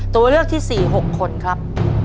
ตัวเลือกที่๔๖คนครับ